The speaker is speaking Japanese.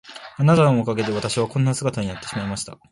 あなたのおかげで私はこんな姿になってしまいました。